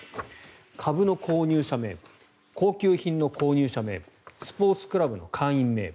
株の購入者名簿高級品の購入者名簿スポーツクラブの会員名簿